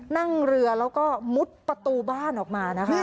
นั่งเรือแล้วก็มุดประตูบ้านออกมานะคะ